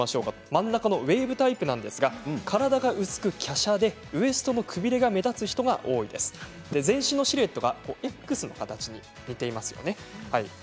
真ん中のウエーブタイプなんですが体が薄くきゃしゃでウエストのくびれが目立つ人が多いですね、全身のシルエットがＸの形に似ていますよね。